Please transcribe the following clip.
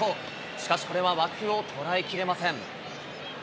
しかし、これは枠をとらえきれません。